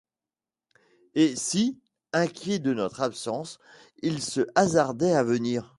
Et si, inquiet de notre absence, il se hasardait à venir